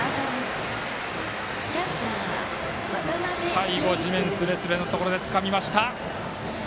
最後、地面すれすれのところでつかみました。